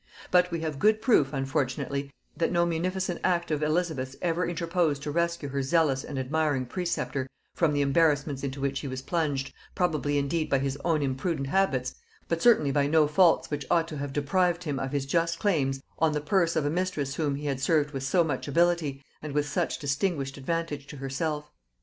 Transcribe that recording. But we have good proof, unfortunately, that no munificent act of Elizabeth's ever interposed to rescue her zealous and admiring preceptor from the embarrassments into which he was plunged, probably indeed by his own imprudent habits, but certainly by no faults which ought to have deprived him of his just claims on the purse of a mistress whom, he had served with so much ability, and with such distinguished advantage to herself.